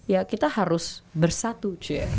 ya kita harus bersatu